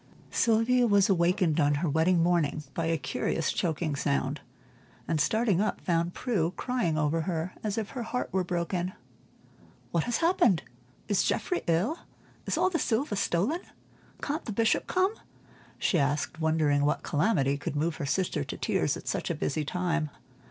Sylvia was awakened on her wedding morning by a curious choking sound, and starting up found Prue crying over her as if her heart were broken. "What has happened? Is Geoffrey ill? Is all the silver stolen? Can't the Bishop come?" she asked, wondering what calamity could move her sister to tears at such a busy time.